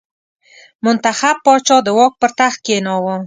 منتخب پاچا د واک پر تخت کېناوه.